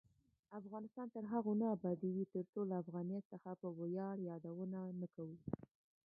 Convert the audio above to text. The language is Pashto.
افغانستان تر هغو نه ابادیږي، ترڅو له افغانیت څخه په ویاړ یادونه نه کوو.